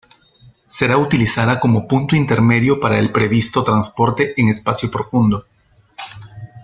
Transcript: Será utilizada como punto intermedio para el previsto Transporte en Espacio Profundo.